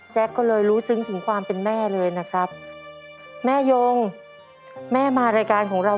ก็เลยรู้ซึ้งถึงความเป็นแม่เลยนะครับแม่ยงแม่มารายการของเรา